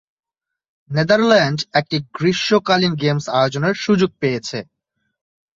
Netherland একটি গ্রীষ্মকালীন games আয়োজনের সুযোগ পেয়েছে।